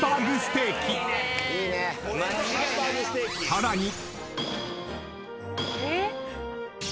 ［さらに］